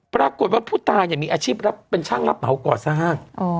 ปรากฏว่าผู้ตายมีอาชีพรับเป็นช่างรับเหมาก่อสร้าง